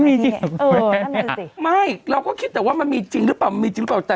ด้วยนะน่ะสิไม่เราก็คิดแต่ว่ามันมีจริงหรือเปล่ามีจริงหรือเปล่าแต่